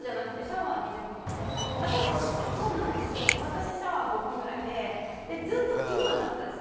私はシャワー５分ぐらいで、ずっと気にはなってたんです。